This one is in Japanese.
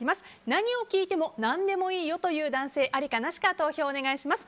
何を聞いても何でもいいよと言う男性ありかなしか投票をお願いします。